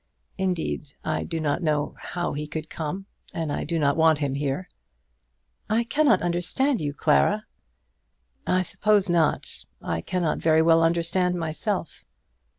Indeed, I do not know how he could come; and I do not want him here." "I cannot understand you, Clara." "I suppose not. I cannot very well understand myself."